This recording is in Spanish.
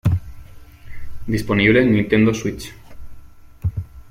Disponible en Nintendo Switch.